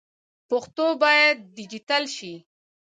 پښتو باید ډيجيټل سي.